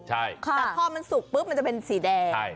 แต่พอมันสุกปุ๊บมันจะเป็นสีแดง